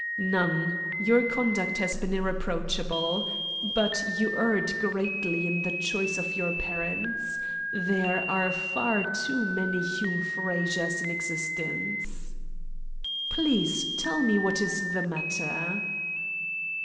"None. Your conduct has been irreproachable. But you erred greatly in the choice of your parents. There are far too many Hume Frazers in existence." "Please tell me what is the matter?"